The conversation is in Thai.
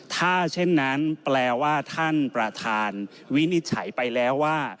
ถ้าเช่นนั้นแปลว่าท่านประธานวินิจฉัยไปแล้วว่า